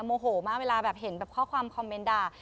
โมโหมากเวลาเห็นค่อความค่อมเป็นความ